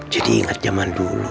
jadi ingat zaman dulu